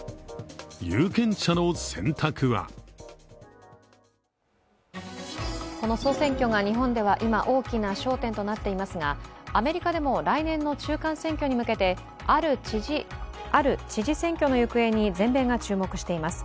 有権者の選択はこの総選挙が日本では大きな焦点となっていますが、アメリカでも来年の中間選挙に向けて、ある知事選挙の行方に全米が注目しています。